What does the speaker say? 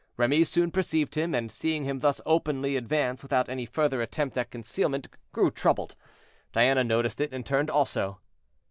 Remy soon perceived him, and, seeing him thus openly advance without any further attempt at concealment, grew troubled; Diana noticed it and turned also.